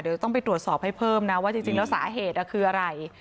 เดี๋ยวต้องไปตรวจสอบให้เพิ่มนะว่าจริงแล้วสาเหตุคืออะไร